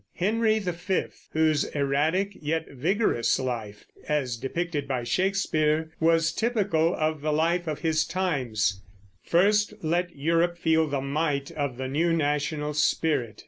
Henry V whose erratic yet vigorous life, as depicted by Shakespeare, was typical of the life of his times first let Europe feel the might of the new national spirit.